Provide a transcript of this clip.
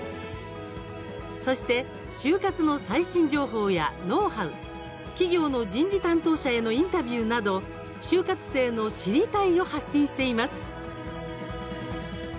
そして就活の最新情報やノウハウ、企業の人事担当者へのインタビューなど就活生の「知りたい」を発信しています。